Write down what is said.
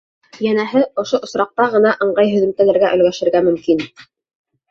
Йәнәһе, ошо осраҡта ғына ыңғай һөҙөмтәләргә өлгәшергә мөмкин.